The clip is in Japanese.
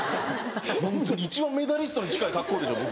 ホントに一番メダリストに近い格好でしょ僕が。